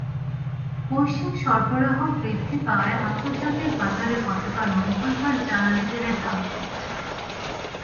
বৈশ্বিক সরবরাহ বৃদ্ধি পাওয়ায় আন্তর্জাতিক বাজারে গতকাল মঙ্গলবার জ্বালানি তেলের দাম কমেছে।